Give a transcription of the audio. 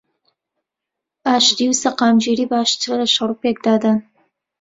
ئاشتی و سەقامگیری باشترە لەشەڕ و پێکدادان